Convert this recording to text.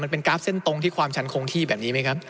เป็นกราฟเส้นตรงที่ความชันคงที่แบบนี้ไหมครับ